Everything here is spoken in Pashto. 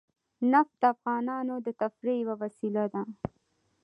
نفت د افغانانو د تفریح یوه وسیله ده.